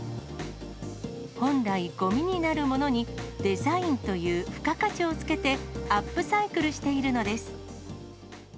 本来、ごみになるものにデザインという付加価値をつけて、アップサイクルしているのです。